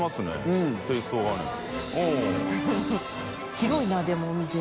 広いなでもお店。